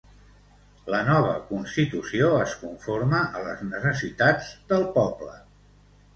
La nova constitució es conforma a les necessitats del poble.